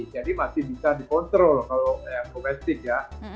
jadi masih bisa dikontrol kalau yang domestik ya